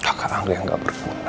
kakak anggri yang gak berguna